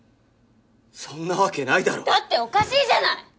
そんなわけないだろ！だっておかしいじゃない！